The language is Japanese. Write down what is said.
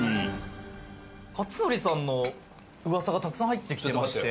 克典さんの噂がたくさん入ってきてまして。